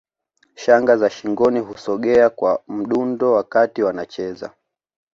Shanga za shingoni husogea kwa mdundo wakati wanacheza